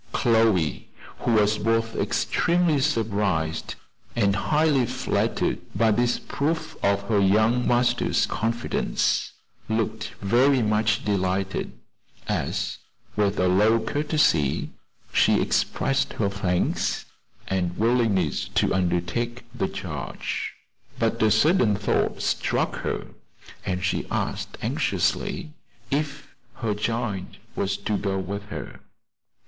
Chloe, who was both extremely surprised and highly flattered by this proof of her young master's confidence, looked very much delighted, as, with a low courtesy, she expressed her thanks, and her willingness to undertake the charge. But a sudden thought struck her, and she asked anxiously if "her child" was to go with her.